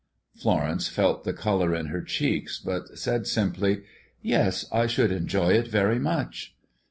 Florence felt the color in her cheeks, but said simply, "Yes, I should enjoy it very much."